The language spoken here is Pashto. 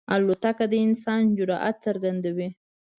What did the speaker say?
الوتکه د انسان جرئت څرګندوي.